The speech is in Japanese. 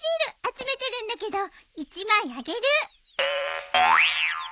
集めてるんだけど１枚あげる。